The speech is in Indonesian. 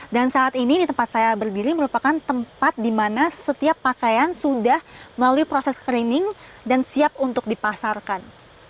dan saat ini di tempat saya berdiri merupakan tempat di mana setiap pakaian sudah melalui proses screening dan siap untuk dipasarkan